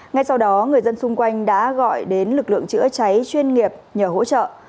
ngay sau đó người dân xung quanh đã gọi đến lực lượng chữa cháy chuyên nghiệp nhờ hỗ trợ